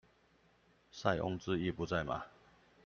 塞翁之意不在馬